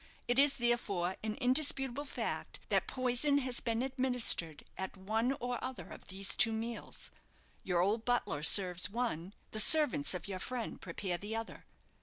It is, therefore, an indisputable fact, that poison has bee a administered at one or other of these two meals. Your old butler serves one the servants of your friend prepare the other.